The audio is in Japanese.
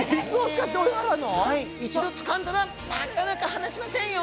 一度つかんだらなかなか離しませんよ！